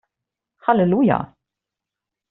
Halleluja!